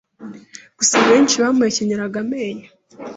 gusa benshi bamuhekenyeraga amenyo